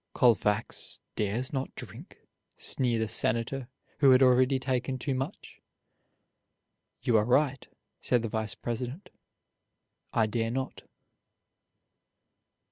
"Colfax dares not drink," sneered a Senator who had already taken too much. "You are right," said the Vice President, "I dare not."